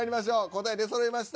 答え出そろいました。